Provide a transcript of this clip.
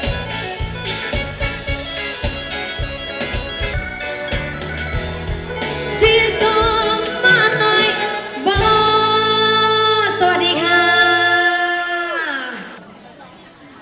สวัสดีค่ะ